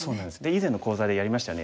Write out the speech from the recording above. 以前の講座でやりましたよね